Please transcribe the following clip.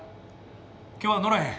今日はのらへん。